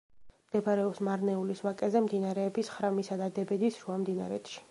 მდებარეობს მარნეულის ვაკეზე, მდინარეების ხრამისა და დებედის შუამდინარეთში.